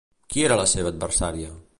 Qui era la seva adversària?